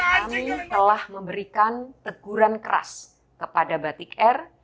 kami telah memberikan teguran keras kepada batik air